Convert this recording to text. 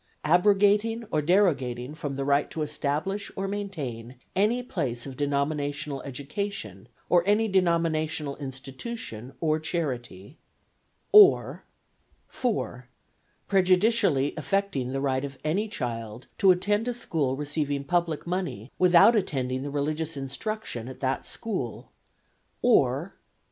Abrogating or derogating from the right to establish or maintain any place of denominational education or any denominational institution or charity; or "(4.) Prejudicially affecting the right of any child to attend a school receiving public money without attending the religious instruction at that school; or "(5.)